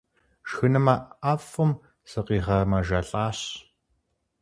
Шхынымэ ӏэфӏым сыкъигъэмэжэлӏащ.